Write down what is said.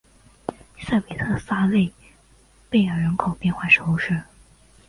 埃韦特萨勒贝尔人口变化图示